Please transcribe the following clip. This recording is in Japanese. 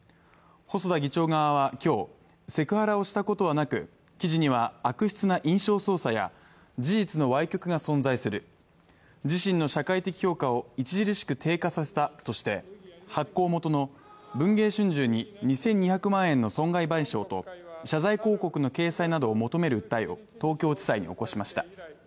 細田議長側は今日、セクハラをしたことはなく、記事には悪質な印象操作や事実のわい曲が存在する、自身の社会的評価を著しく低下させたとして、発行元の文藝春秋に２２００万円の損害賠償と謝罪広告の掲載などを求める訴えを東京地裁に起こしました。